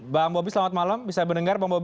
bang bobi selamat malam bisa mendengar bang bobb